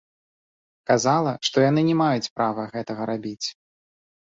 Казала, што яны не маюць права гэтага рабіць.